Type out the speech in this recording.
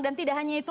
dan tidak hanya itu